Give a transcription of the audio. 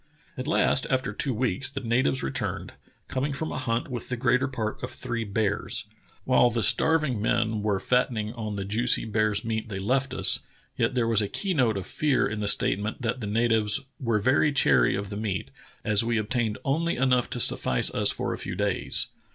At last, after two weeks, the natives returned, com ing from a hunt with the greater part of three bears. While the starving men "were fattening on the juicy bear's meat thej^ left us," yet there was a key note of fear in the statement that the natives "were very chary of the meat, as we obtained only enough to suffice us for a few days."